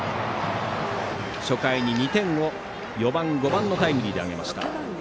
初回に２点を４番、５番のタイムリーで挙げました。